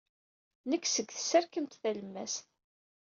Nekk seg tserkemt talemmast.